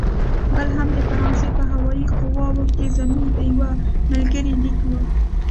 بل هم د فرانسې په هوايي قواوو کې زما د یوه ملګري لیک و.